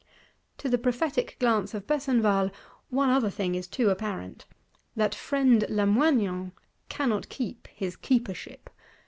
To the prophetic glance of Besenval, one other thing is too apparent: that Friend Lamoignon cannot keep his Keepership.